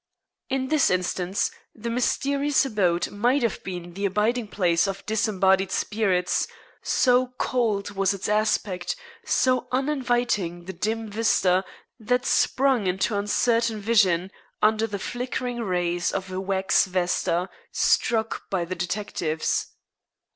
In this instance, the mysterious abode might have been the abiding place of disembodied spirits, so cold was its aspect, so uninviting the dim vista that sprung into uncertain vision under the flickering rays of a wax vesta struck by the detectives.